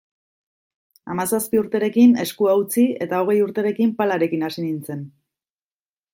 Hamazazpi urterekin eskua utzi eta hogei urterekin palarekin hasi nintzen.